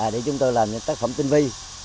để chúng tôi làm những tác phẩm tinh vi